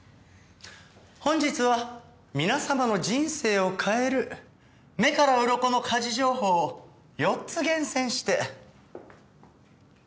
本日は皆様の人生を変える目からうろこの家事情報を４つ厳選して。